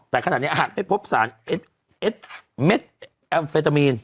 แต่ขนาดนี้หากไม่พบสารเม็ดแอมเฟตามีน